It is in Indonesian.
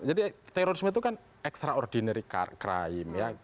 jadi terorisme itu kan extraordinary crime ya